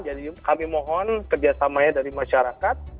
jadi kami mohon kerjasamanya dari masyarakat